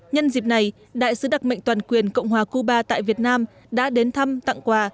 nhân dịp này đại sứ đặc mệnh toàn quyền cộng hòa cuba tại việt nam đã đến thăm tặng quà